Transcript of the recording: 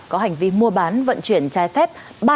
có hành vi mua bán vận chuyển trái phép